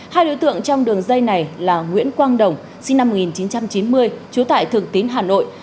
hai đối tượng trong đường dây này là nguyễn quang đồng sinh năm một nghìn chín trăm chín mươi trú tại thường tín hà nội